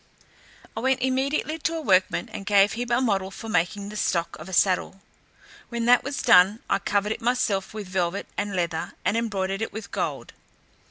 I went immediately to a workman, and gave him a model for making the stock of a saddle. When that was done, I covered it myself with velvet and leather, and embroidered it with gold.